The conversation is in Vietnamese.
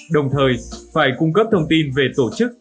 đồng thời phải cung cấp thông tin về tổ chức